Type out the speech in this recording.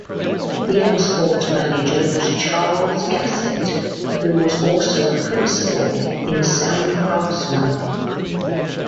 The export manager was Charles Gassett, who was also a principal in Soundcraftsmen.